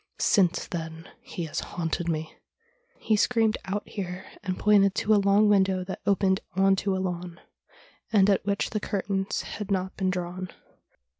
Since then he has haunted me." He screamed out here and pointed to a long window that opened on to a lawn, and at which the curtains had not been drawn.